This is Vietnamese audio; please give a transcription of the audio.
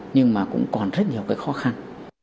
nhưng mà cũng còn rất nhiều cái khó khăn